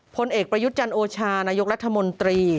พลเอกประยุทธ์จันโอชานายกรัฐมนตรี